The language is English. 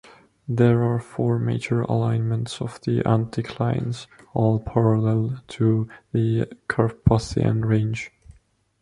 There are four major alignments of the anticlines, all parallel to the Carpathian Range.